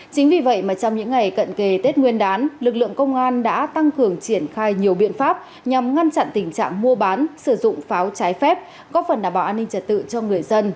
chính vì vậy mà trong những ngày cận kề tết nguyên đán lực lượng công an đã tăng cường triển khai nhiều biện pháp nhằm ngăn chặn tình trạng mua bán sử dụng pháo trái phép có phần đảm bảo an ninh trật tự cho người dân